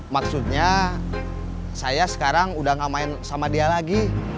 maksudnya saya sekarang udah gak main sama dia lagi